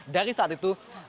dari saat itu